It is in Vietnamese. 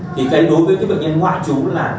thì đối với cái bệnh nhân ngoại chú là